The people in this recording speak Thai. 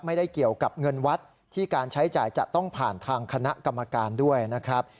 ไม่ได้เกี่ยวกับเงินวัดที่การใช้จ่ายจะต้องผ่านทางคณะกรรมการด้วยนะครับ